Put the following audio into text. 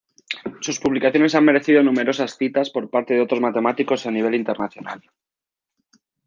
Sus publicaciones han merecido numerosas citas por parte de otros matemáticos a nivel internacional.